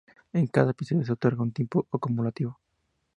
En cada episodio se otorga un tiempo acumulativo.